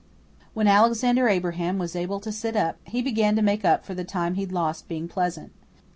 When Alexander Abraham was able to sit up, he began to make up for the time he'd lost being pleasant.